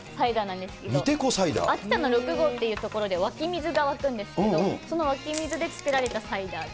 秋田の六郷っていう所で、湧き水が湧くんですけど、その湧き水で作られたサイダーで。